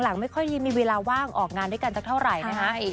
หลังไม่ค่อยมีเวลาว่างออกงานด้วยกันสักเท่าไหร่นะคะ